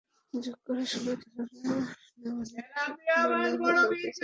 যোগ করা সময়ে খেলোয়াড় নামানো মানে হলো কিছুটা সময় নষ্ট করা।